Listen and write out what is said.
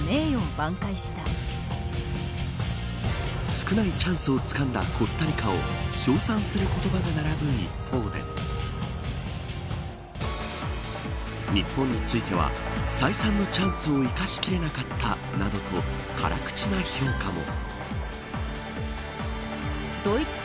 少ないチャンスをつかんだコスタリカを称賛する言葉が並ぶ一方で日本については再三のチャンスを生かし切れなかったなどと辛口な評価も。